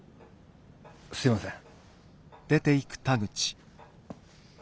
すいません。